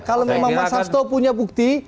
kalau memang mas hasto punya bukti